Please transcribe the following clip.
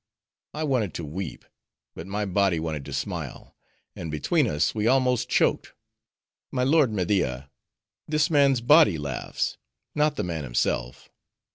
I wanted to weep; but my body wanted to smile, and between us we almost choked. My lord Media, this man's body laughs; not the man himself."